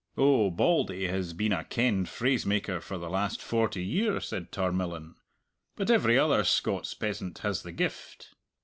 "Oh, Bauldy has been a kenned phrase maker for the last forty year," said Tarmillan. "But every other Scots peasant has the gift.